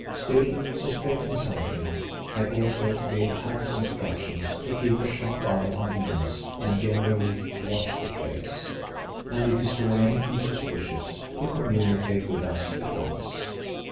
Still, suspecting something, I also gave Hans instructions to keep a sharp eye on Inez and generally to watch the place, and if he saw anything suspicious, to communicate with us at once.